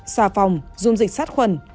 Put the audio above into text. xà phòng dung dịch sát khuẩn